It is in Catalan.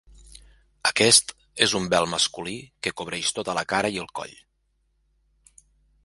Aquest és un vel masculí que cobreix tota la cara i el coll.